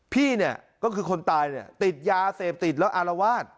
พี่เนี่ยก็คือคนตายเนี่ยติดยาเสพติดแล้วอารวาส